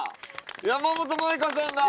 山本舞香さんだ。